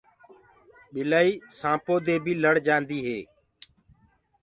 ٻِلآئي سآنپو دي بي لڙ جآندي هي۔